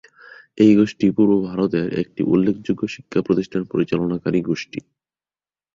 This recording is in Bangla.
এই গোষ্ঠী পূর্ব ভারতের একটি উল্লেখযোগ্য শিক্ষাপ্রতিষ্ঠান পরিচালনাকারী গোষ্ঠী।